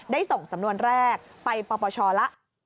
ส่งสำนวนแรกไปปปชแล้ว